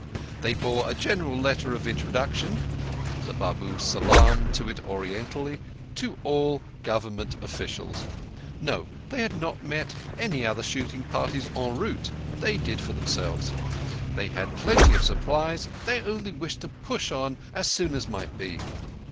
They bore a general letter of introduction (the Babu salaamed to it orientally) to all Government officials. No, they had not met any other shooting parties en route. They did for themselves. They had plenty of supplies. They only wished to push on as soon as might be.